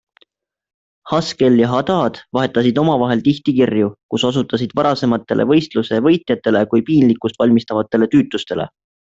Haskell ja Haddad vahetasid omavahel tihti kirju, kus osutasid varasematele võistluse võitjatele kui piinlikkust valmistavatele tüütutustele.